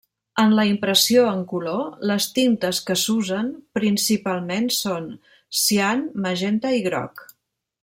En la impressió en color, les tintes que s'usen principalment són cian, magenta i groc.